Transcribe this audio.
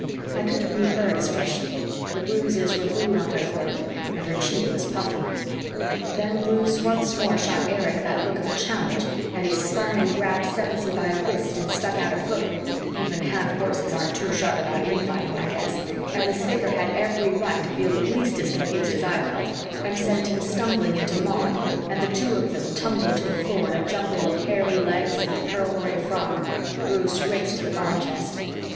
I couldn't read her expression; the bruises were blue on her throat and her cheek was puffy. Then Bruce once more shot Erich that look of challenge and he spun and grabbed Sevensee by a wrist and stuck out a foot even half horses aren't too sharp about infighting, I guess, and the satyr had every right to feel at least as confused as I felt and sent him stumbling into Maud, and the two of them tumbled to the floor in a jumble of hairy legs and pearl gray frock. Bruce raced to the bomb chest.